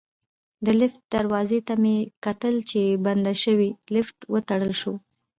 د لفټ دروازې ته مې کتل چې بنده شوې، لفټ وتړل شو.